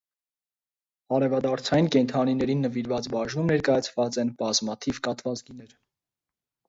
Արևադարձային կենդանիներին նվիրված բաժնում ներկայացված են բազմաթիվ կատվազգիներ։